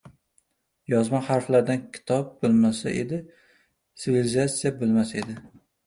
Yozma harflardan kitob bo‘lmasa edi, tsivilizatsiya bo‘lmas edi.